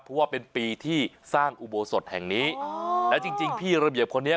เพราะว่าเป็นปีที่สร้างอุโบสถแห่งนี้แล้วจริงจริงพี่ระเบียบคนนี้